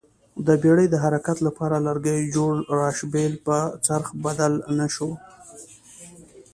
د بېړۍ د حرکت لپاره لرګیو جوړ راشبېل په څرخ بدل نه شو